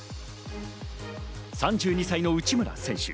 ３２歳の内村選手。